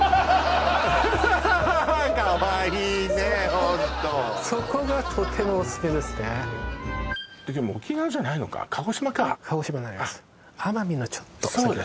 ホントそこがとってもおすすめですねでも沖縄じゃないのか鹿児島か鹿児島になります奄美のちょっと下ですね